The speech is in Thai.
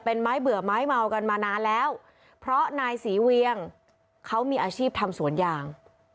เป็นไม้เบื่อไม้เมากันมานานแล้วเพราะนายศรีเวียงเขามีอาชีพทำสวนยาง